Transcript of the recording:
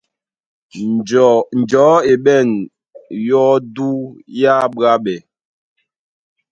Njɔu e ɓɛ̂n yɔdú yá ɓwaɓɛ̀.